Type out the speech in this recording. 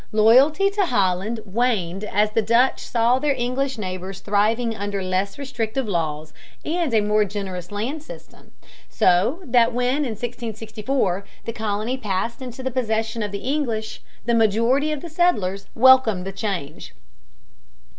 Loyalty to Holland waned as the Dutch saw their English neighbors thriving under less restrictive laws and a more generous land system, so that when in 1664 the colony passed into the possession of the English, the majority of the settlers welcomed the change.